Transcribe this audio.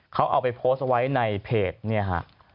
เขาเอาไปโพสต์ไว้ในเพจ